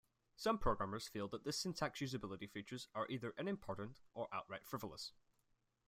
Some programmers feel that these syntax usability features are either unimportant or outright frivolous.